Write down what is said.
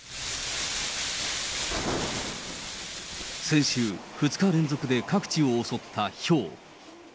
先週、２日連続で各地を襲ったひょう。